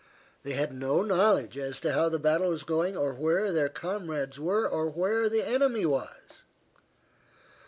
They had no knowledge as to how the battle was going or where their comrades were or where the enemy was.